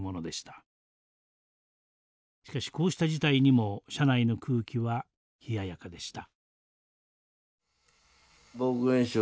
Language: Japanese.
しかしこうした事態にも社内の空気は冷ややかでした。